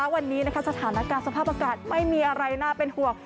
วันนี้สถานการณ์สภาพอากาศไม่มีอะไรน่าเป็นห่วง